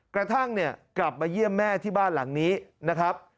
กระทั่งเนี่ยกลับมาเยี่ยมแม่ที่บ้านหลังนี้นะครับ